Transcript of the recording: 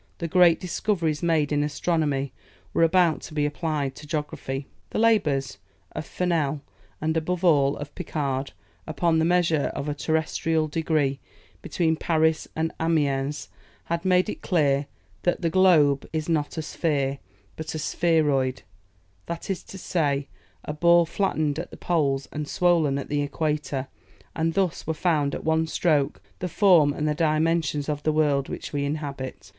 The great discoveries made in astronomy were about to be applied to geography. The labours of Fernel and above all of Picard, upon the measure of a terrestrial degree between Paris and Amiens, had made it clear that the globe is not a sphere, but a spheroid, that is to say, a ball flattened at the poles and swollen at the equator, and thus were found at one stroke the form and the dimensions of the world which we inhabit.